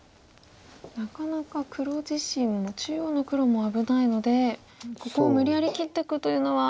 なかなか黒自身も中央の黒も危ないのでここは無理やり切っていくというのは。